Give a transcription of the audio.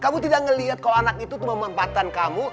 kamu tidak ngeliat kalau anak itu cuma memembatan kamu